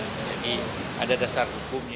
jadi ada dasar hukumnya yang benar